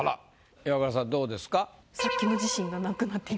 イワクラさんどうですか？